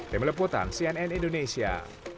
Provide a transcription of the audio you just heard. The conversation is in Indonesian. demi leputan cnn indonesia